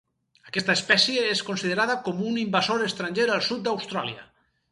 Aquesta espècie és considerada com un invasor estranger al sud d'Austràlia.